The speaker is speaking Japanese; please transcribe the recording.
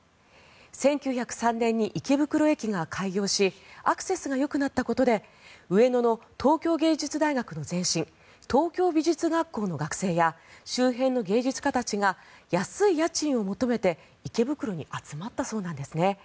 １９０３年に池袋駅が開業しアクセスがよくなったことで上野の東京芸術大学の前身東京美術学校の学生や周辺の芸術家たちが安い家賃を求めて池袋に集まったそうなんですね。